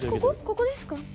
ここですか？